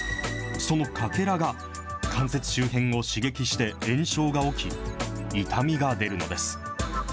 そのかけらが関節周辺を刺激して、炎症が起き、痛みが出るのです。